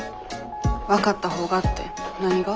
分かったほうがって何が？